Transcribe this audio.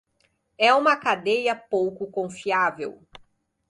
É uma cadeia pouco confiável